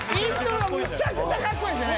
めちゃくちゃかっこいいのよ